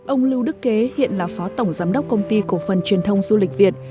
ông lưu đức kế hiện là phó tổng giám đốc công ty cổ phần truyền thông du lịch việt